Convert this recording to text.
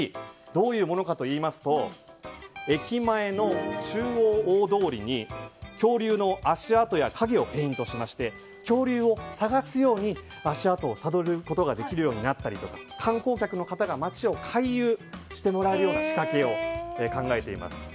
どういうものかといいますと駅前の中央大通りに恐竜の足跡や影をペイントしまして恐竜を探すように足跡をたどることができるようになったりとか観光客の方に街に回遊してもらえるような仕掛けを考えています。